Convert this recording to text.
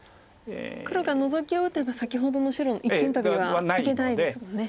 黒がノゾキを打てば先ほどの白の一間トビはいけないですもんね。